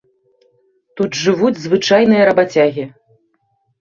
Тут жывуць звычайныя рабацягі.